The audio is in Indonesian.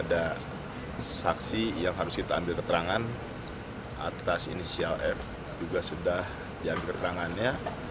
ada saksi yang harus kita ambil keterangan atas inisial f juga sudah diambil keterangannya